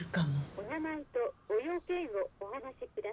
☎お名前とご用件をお話しください。